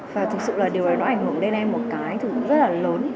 và thực sự là điều này nó ảnh hưởng đến em một cái thứ rất là lớn